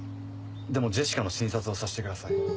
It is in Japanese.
でもジェシカの診察をさせてください。